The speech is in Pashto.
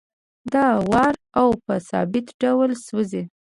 دا ورو او په ثابت ډول سوځي